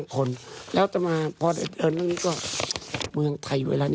คนทำบุญไม่ฉลาด